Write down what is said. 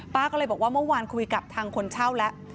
ก็เลยบอกว่าเมื่อวานคุยกับทางคนเช่าแล้ว